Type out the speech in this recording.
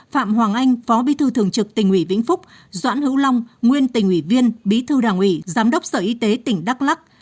phạm hoàng anh phó bí thư thường trực tỉnh ủy vĩnh phúc doãn hữu long nguyên tỉnh ủy viên bí thư đảng ủy giám đốc sở y tế tỉnh đắk lắc